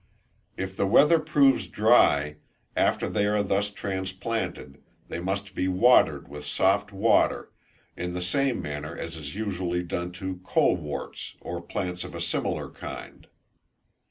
If the weather proves dry, after they are thus transplanted, they must be watered with soft water, in the same manner as is usually done to coleworts or plants of a similar kind.